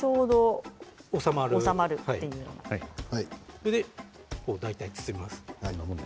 これで大体、包みます。